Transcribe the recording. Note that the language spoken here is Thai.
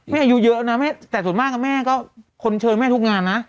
อายุเยอะนะแต่ส่วนมากแม่ก็คนเชิญแม่ทุกงานนะ